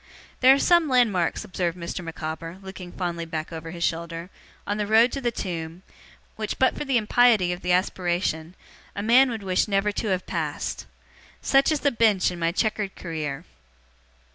'There are some landmarks,' observed Mr. Micawber, looking fondly back over his shoulder, 'on the road to the tomb, which, but for the impiety of the aspiration, a man would wish never to have passed. Such is the Bench in my chequered career.